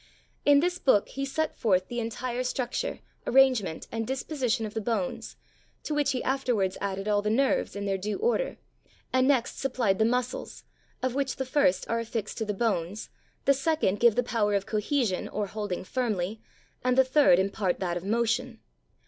In this book he set forth the entire structure, arrangement, and disposition of the bones, to which he afterwards added all the nerves, in their due order, and next supplied the muscles, of which the first are affixed to the bones, the second give the power of cohesion or holding firmly, and the third impart that of motion.